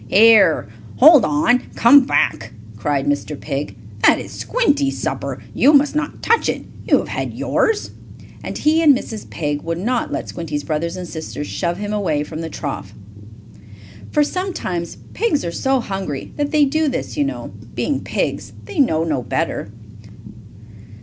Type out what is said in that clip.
"Here! Hold on! Come back!" cried Mr. Pig. "That is Squinty's supper. You must not touch it. You have had yours!" and he and Mrs. Pig would not let Squinty's brothers and sisters shove him away from the trough. For sometimes pigs are so hungry that they do this, you know. Being pigs they know no better.